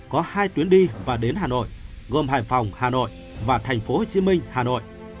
có hai tuyến đi và đến hà nội gồm hải phòng hà nội và tp hcm hà nội